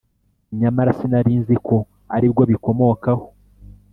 nyamara sinari nzi ko ari bwo bikomokaho.